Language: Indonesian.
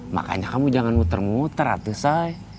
makanya kamu jangan nguter nguter tuh say